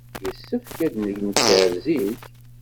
Yessefk ad d-nenker zik?